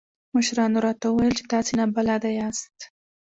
مشرانو راته وويل چې تاسې نابلده ياست.